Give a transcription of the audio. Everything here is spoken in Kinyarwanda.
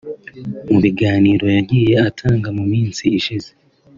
Mu biganiro yagiye atanga mu minsi ishize